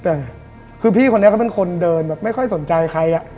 แต่คือพี่คนนี้เขาเป็นคนเดินแบบไม่ค่อยสนใจใครอ่ะ